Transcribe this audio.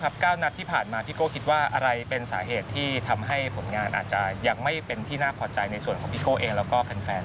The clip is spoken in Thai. ๙นัดที่ผ่านมาพี่โก้คิดว่าอะไรเป็นสาเหตุที่ทำให้ผลงานอาจจะยังไม่เป็นที่น่าพอใจในส่วนของพี่โก้เองแล้วก็แฟน